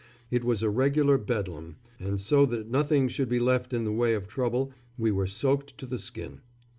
It was a regular bedlam, and so that nothing should be left in the way of trouble we were soaked to the skin.